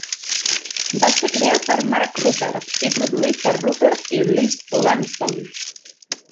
Va ser creat per Mark Ruppert i produït per Ruppert i Liz Langston.